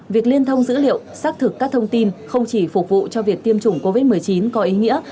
việc liên thông dữ liệu xác thực các thông tin không chỉ phục vụ cho việc tiêm chủng covid một mươi chín có ý nghĩa